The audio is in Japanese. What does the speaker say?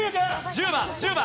１０番１０番。